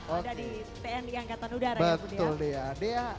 dan juga teman teman yang ada di tni angkatan udara ya budi ya